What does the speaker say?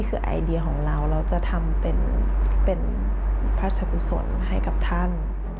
เราจะทำเป็นพราชกุศลให้กับท่าน